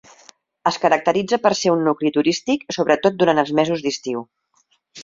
Es caracteritza per ser un nucli turístic, sobretot durant els mesos d'estiu.